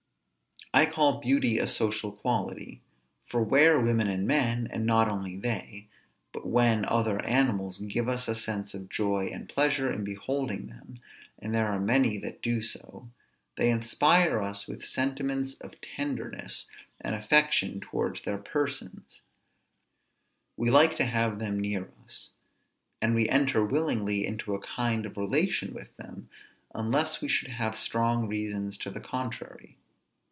I call beauty a social quality; for where women and men, and not only they, but when other animals give us a sense of joy and pleasure in beholding them (and there are many that do so), they inspire us with sentiments of tenderness and affection towards their persons; we like to have them near us, and we enter willingly into a kind of relation with them, unless we should have strong reasons to the contrary.